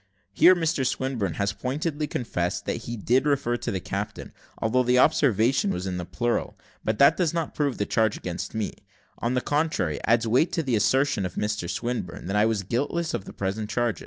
Here Mr Swinburne has pointedly confessed that he did refer to the captain, although the observation was in the plural; but that does not prove the charge against me on the contrary, adds weight to the assertion of Mr Swinburne, that I was guiltless of the present charge.